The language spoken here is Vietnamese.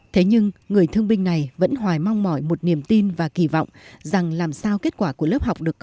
thế nhưng người thương binh này vẫn hoài mong mỏi một niềm tin và kỳ vọng rằng làm sao kết quả của lớp học được có